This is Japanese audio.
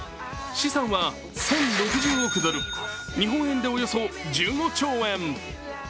資産は１０６０億ドル日本円でおよそ１５兆円。